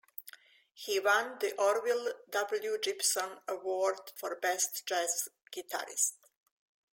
He won the Orville W. Gibson Award for Best Jazz Guitarist.